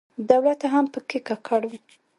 دولت هم په کې ککړ و.